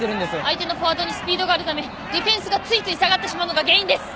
相手のフォワードにスピードがあるためディフェンスがついつい下がってしまうのが原因です。